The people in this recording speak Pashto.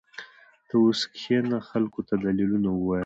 ته اوس کښېنه خلقو ته دليلونه ووايه.